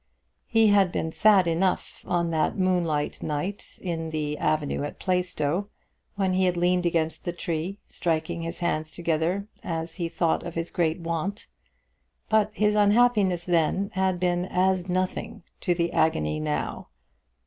He had been sad enough on that moonlight night in the avenue at Plaistow, when he had leaned against the tree, striking his hands together as he thought of his great want; but his unhappiness then had been as nothing to his agony now.